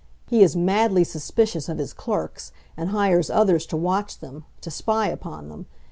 He is madly suspicious of his clerks, and hires others to watch them, to spy upon them.